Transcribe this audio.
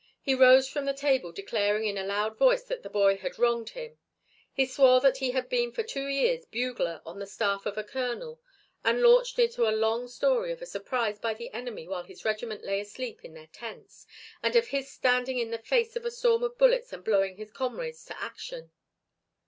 He rose from the table declaring in a loud voice that the boy had wronged him; he swore that he had been for two years bugler on the staff of a colonel, and launched into a long story of a surprise by the enemy while his regiment lay asleep in their tents, and of his standing in the face of a storm of bullets and blowing his comrades to action.